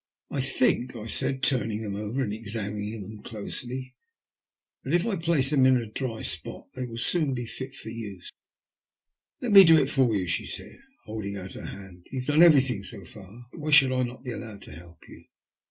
I think/' I Baid, turning them over and examining them closely, that if I place them in a dry spot they will soon be fit for ase." Let me do it for you/' she said, holding oni her hand. ''Ton have done everything so far. Why should I not be allowed to help you?"